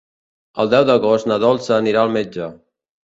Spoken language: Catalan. El deu d'agost na Dolça anirà al metge.